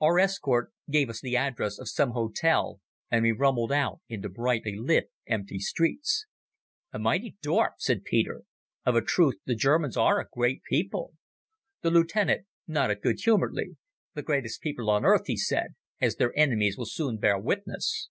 Our escort gave the address of some hotel and we rumbled out into brightly lit empty streets. "A mighty dorp," said Peter. "Of a truth the Germans are a great people." The lieutenant nodded good humouredly. "The greatest people on earth," he said, "as their enemies will soon bear witness."